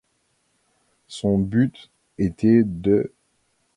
Son but était d'